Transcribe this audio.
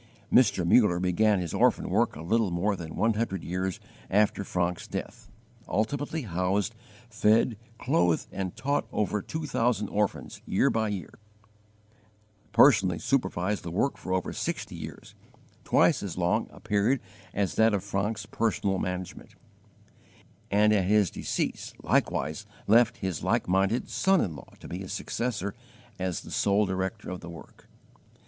Mr. Muller began his orphan work a little more than one hundred years after Francke's death; ultimately housed, fed, clothed, and taught over two thousand orphans year by year; personally supervised the work for over sixty years twice as long a period as that of Francke's personal management and at his decease likewise left his like minded son in law to be his successor as the sole director of the work.